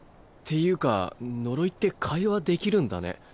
っていうか呪いって会話できるんだね。